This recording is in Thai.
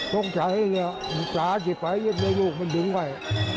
ตกใจนี่เดี๋ยวแชร์ที่ไปยึดมือลูกยุ่งไว่